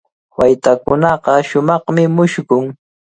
Waytakunaqa shumaqmi mushkun.